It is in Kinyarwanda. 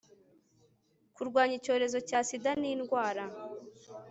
Kurwanya icyorezo cya SIDA n indwara